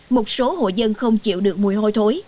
một số hộ dân không chịu được mùi hôi thối